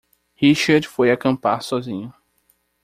Richard foi acampar sozinho.